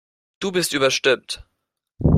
Du bist überstimmt.